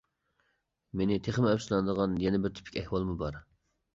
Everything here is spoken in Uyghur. مېنى تېخىمۇ ئەپسۇسلاندۇرغان يەنە بىر تىپىك ئەھۋالمۇ بار.